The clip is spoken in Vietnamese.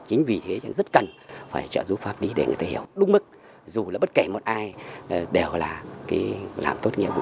chính vì thế rất cần phải trợ giúp pháp lý để người ta hiểu đúng mức dù là bất kể một ai đều là làm tốt nhiệm vụ